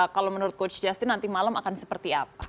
kalau menurut coach justin nanti malam akan seperti apa